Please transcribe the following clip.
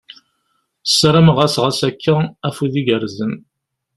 Ssarameɣ-as ɣas akka, afud igerrzen !